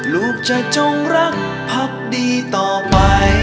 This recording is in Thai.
ลูกจะจงรักพักดีต่อไป